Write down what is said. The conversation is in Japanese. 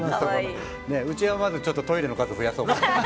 うちはまずトイレの数を増やそうかなと。